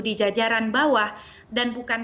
di jajaran bawah dan bukan